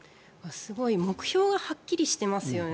すごい、目標がはっきりしていますよね。